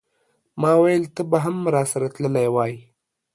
ماویل ته به هم راسره تللی وای.